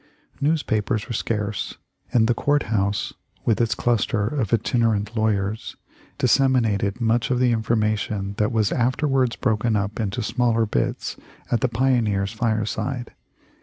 News papers were scarce, and the court house, with its cluster of itinerant lawyers, disseminated much of the information that was afterwards broken up into smaller bits at the pioneer's fireside.